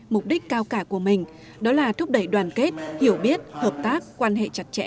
mục đích cao cả của mình đó là thúc đẩy đoàn kết hiểu biết hợp tác quan hệ chặt chẽ